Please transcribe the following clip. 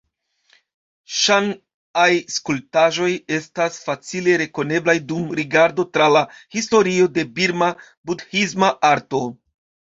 Ŝan-aj skulptaĵoj estas facile rekoneblaj dum rigardo tra la historio de Birma budhisma arto.